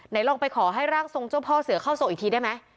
ลองไปขอให้ร่างทรงเจ้าพ่อเสือเข้าทรงอีกทีได้ไหม